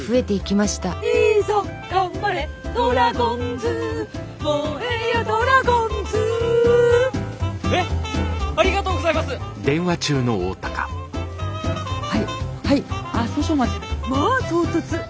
まぁ唐突。